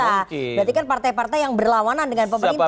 berarti kan partai partai yang berlawanan dengan pemerintah